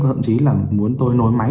thậm chí là muốn tôi nối máy